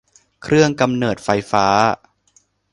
เครื่องกำเนิดไฟฟ้า